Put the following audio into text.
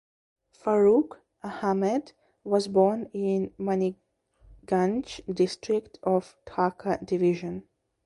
Faruque Ahamed was born in Manikganj District of Dhaka division.